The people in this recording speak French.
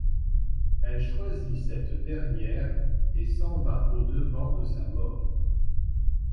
Elle choisit cette dernière, et s'en va au devant de sa mort.